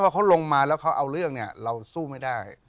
เขาลงมาแล้วเขาเอาเรื่องเนี่ยเราสู้ไม่ได้